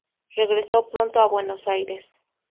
Regresó pronto a Buenos Aires.